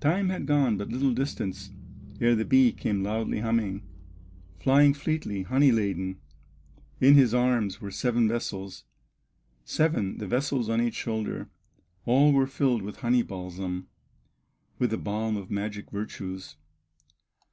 Time had gone but little distance, Ere the bee came loudly humming, Flying fleetly, honey laden; In his arms were seven vessels, Seven, the vessels on each shoulder; All were filled with honey balsam, With the balm of magic virtues.